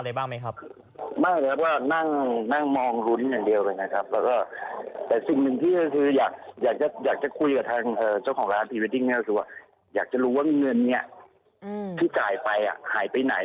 อยากจะรู้ว่าเงินนี้ที่จ่ายไปอ่ะหายไปไหน